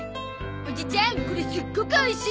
おじちゃんこれすっごく美味しい！